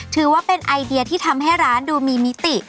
ถือว่าเป็นไอเดียที่ทำให้ร้านดูมีมิติ